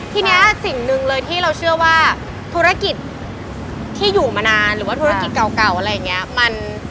ทีนี้สิ่งหนึ่งเลยที่เราเชื่อว่าธุรกิจที่อยู่มานานหรือว่าธุรกิจเก่าอะไรอย่างนี้